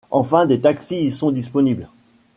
Enfin, des taxis y sont disponibles.